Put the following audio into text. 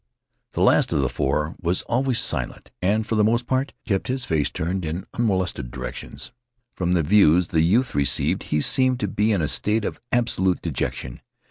The last of the four was always silent and, for the most part, kept his face turned in unmolested directions. From the views the youth received he seemed to be in a state of absolute dejection.